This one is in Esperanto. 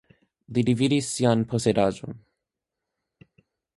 Li dividis sian posedaĵon.